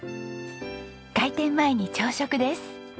開店前に朝食です。